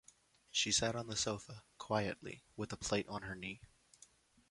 She sat on the sofa, quietly, with a plate on her knee.